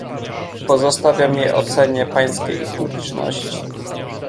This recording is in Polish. "Pozostawiam je ocenie pańskiej i publiczności."